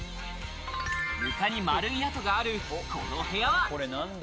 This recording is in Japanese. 床に丸い跡があるこの部屋は。